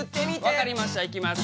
分かりましたいきます。